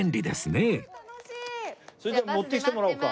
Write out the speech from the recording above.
それじゃあ持ってきてもらおうか。